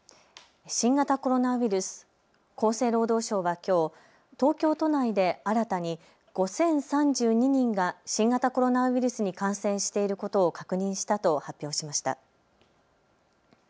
新型コロナウイルス、厚生労働省はきょう東京都内で新たに５０３２人が新型コロナウイルスに感染していることを確認したと発表しました。